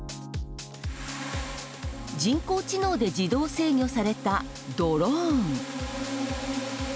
人工知能で自動制御されたドローン。